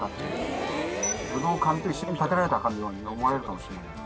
武道館と一緒に建てられたかのように思われるかもしれない。